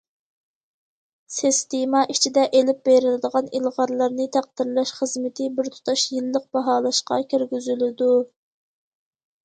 سىستېما ئىچىدە ئېلىپ بېرىلىدىغان ئىلغارلارنى تەقدىرلەش خىزمىتى بىر تۇتاش يىللىق باھالاشقا كىرگۈزۈلىدۇ.